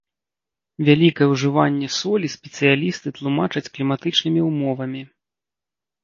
Вялікае ўжыванне солі спецыялісты тлумачаць кліматычнымі ўмовамі.